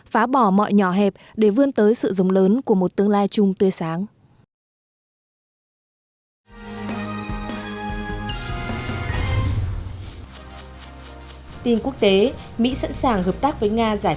phá bỏ mọi nhỏ hẹp để vươn tới sự rồng lớn của một tương lai chung tươi sáng